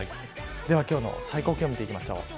では、今日の最高気温見ていきましょう。